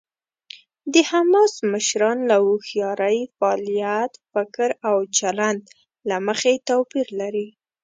د حماس مشران له هوښیارۍ، فعالیت، فکر او چلند له مخې توپیر لري.